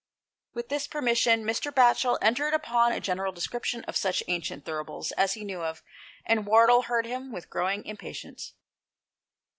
With this permission, Mr. Batchel entered upon a general description of such ancient thuribles as he knew of, and Wardle heard him with growing impatience.